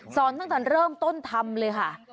ตั้งแต่เริ่มต้นทำเลยค่ะ